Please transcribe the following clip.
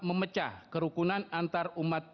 memecah kerukunan antarumat